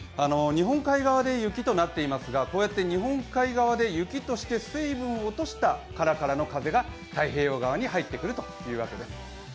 日本海側で雪となっていますが、こうやって日本海側で雪になって水分を落としたカラカラの風が太平洋側に入ってくるというわけです。